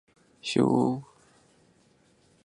雄性海狗一般在五月末到达群栖地。